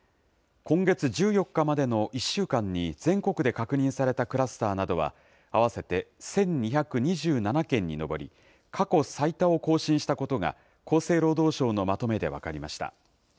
今月１４日までの１週間に、全国で確認されたクラスターなどは、合わせて１２２７件に上り、過去最多を更新したことが、厚生労働省のまとめで分かりました。